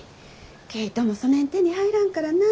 毛糸もそねん手に入らんからなあ。